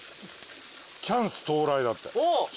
「チャンス到来」だって商売。